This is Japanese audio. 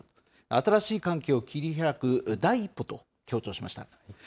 新しい関係を切り開く第一歩と強調しました。